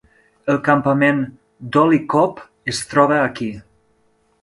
El campament Dolly Copp es troba aquí.